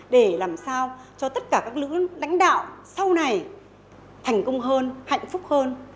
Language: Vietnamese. để làm sao cho tất cả các nữ lãnh đạo sau này thành công hơn hạnh phúc hơn